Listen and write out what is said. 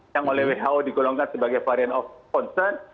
yang oleh who digolongkan sebagai varian of concern